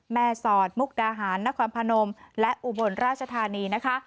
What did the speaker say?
แม่ศรมุกดาหารนครพนมและอุบวลราชธานี